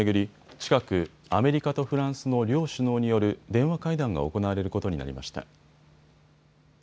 近くアメリカとフランスの両首脳による電話会談が行われることになりました。